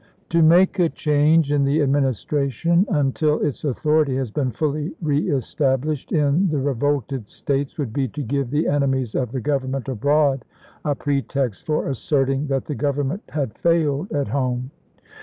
" To make a change in the Administration until its authority has been fully reestablished in the revolted States would be to give the enemies of the Government abroad a pretext for asserting that the Government had failed at home.